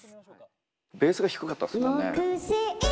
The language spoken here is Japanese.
ベースが低かったっすもんね。